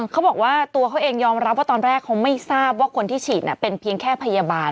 เขาบอกว่าตัวเขาเองยอมรับว่าตอนแรกเขาไม่ทราบว่าคนที่ฉีดเป็นเพียงแค่พยาบาล